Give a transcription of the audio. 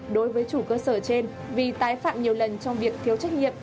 đối với chủ cơ sở trên vì tái phạm nhiều lần trong việc thiếu trách nhiệm